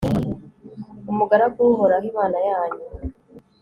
umugaragu w'uhoraho, imana yanyu